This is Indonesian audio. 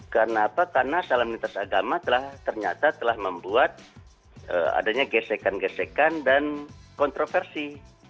kenapa karena salam lintas agama ternyata telah membuat adanya gesekan gesekan dan kontroversi